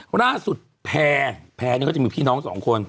ล่าสุดแพร่แพ้เนี่ยก็จะมีพี่น้องสองคน